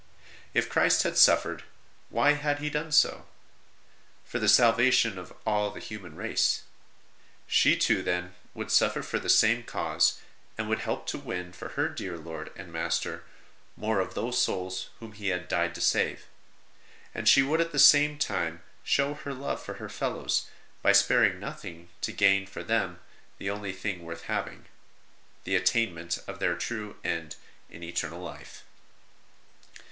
If Christ had suffered, why had He done so ? For the salvation of all the human race. She too, then, would suffer for the same cause, and would help to win for her dear Lord and Master more of those souls whom He had died to save ; and she would at the same time show her love for her fellows by sparing nothing to gain for them the only thing worth having the attainment of their true end in eternal life.